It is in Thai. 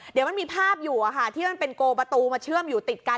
เดี๋ยวมันมีภาพอยู่ที่มันเป็นโกประตูมาเชื่อมอยู่ติดกัน